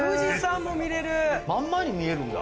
真ん前に見えるんだ。